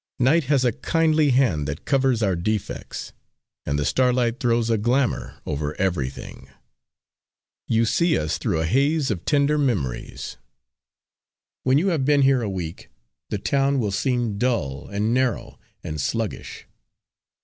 Night has a kindly hand, that covers our defects, and the starlight throws a glamour over everything. You see us through a haze of tender memories. When you have been here a week, the town will seem dull, and narrow, and sluggish.